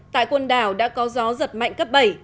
tại quần đảo đã có gió giật mạnh cấp bảy